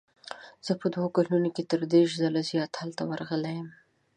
زه په دوو کلونو کې تر دېرش ځله زیات هلته ورغلی یم.